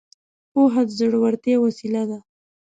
پوهه د زړورتيا وسيله ده.